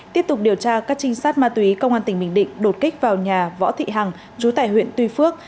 tiếp tục điều tra các trinh sát ma túy công an tỉnh bình định đột kích vào nhà võ thị hằng chú tại huyện tuy phước